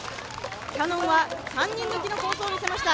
キヤノンは３人抜きの好走をみせました。